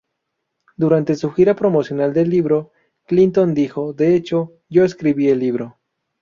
Durante su gira promocional del libro, Clinton dijo: "De hecho, yo escribí el libro...